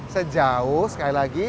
sejauh sekali lagi